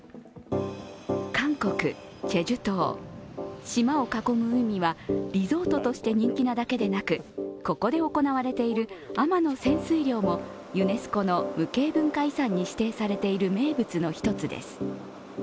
韓国チェジュ島、島を囲む海はリゾートとして人気なだけでなくここで行われている海女の潜水漁もユネスコの無形文化遺産に指定されている名物の一つです。